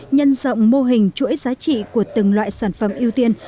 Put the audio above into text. nhân rộng mô hình chuỗi giá trị của từng loại sản phẩm ưu tiên